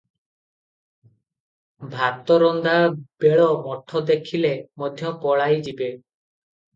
ଭାତରନ୍ଧା ବେଳ ମଠ ଦେଖିଲେ ସବୁ ପଳାଇଯିବେ ।